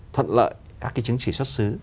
thuận lợi các chứng chỉ xuất xứ